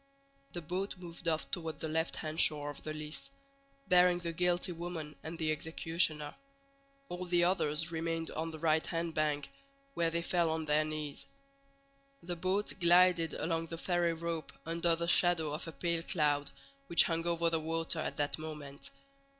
The boat moved off toward the left hand shore of the Lys, bearing the guilty woman and the executioner; all the others remained on the right hand bank, where they fell on their knees. The boat glided along the ferry rope under the shadow of a pale cloud which hung over the water at that moment.